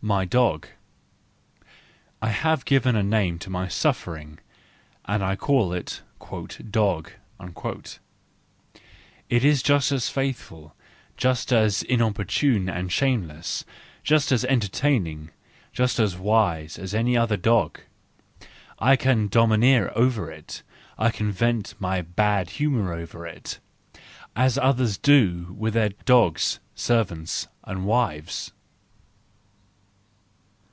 My Dog .—I have given a name to my suffering, and call it "dog,"—it is just as faithful, just as importunate and shameless, just as entertaining, just as wise, as any other dog—and I can domineer over it, and vent my bad humour on it, as others do with their dogs, servants, and wives.